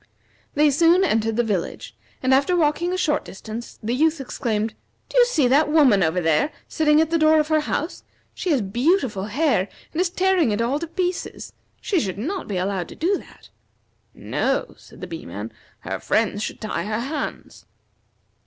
They soon entered the village, and after walking a short distance the youth exclaimed: "Do you see that woman over there sitting at the door of her house? She has beautiful hair and she is tearing it all to pieces. She should not be allowed to do that." "No," said the Bee man. "Her friends should tie her hands."